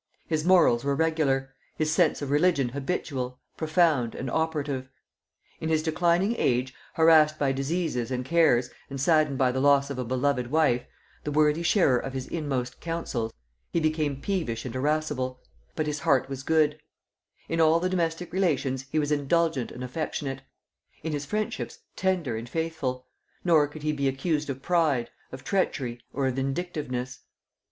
His morals were regular; his sense of religion habitual, profound, and operative. In his declining age, harassed by diseases and cares and saddened by the loss of a beloved wife, the worthy sharer of his inmost counsels, he became peevish and irascible; but his heart was good; in all the domestic relations he was indulgent and affectionate; in his friendships tender and faithful, nor could he be accused of pride, of treachery, or of vindictiveness.